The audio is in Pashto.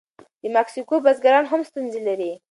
د مکسیکو بزګران هم ستونزې لري.